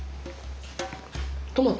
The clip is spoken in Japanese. トマト？